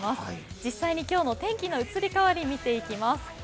実際に今日の天気の移り変わりを見ていきます。